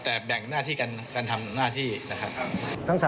แต่แบ่งหน้าที่การทำหน้าที่นะครับ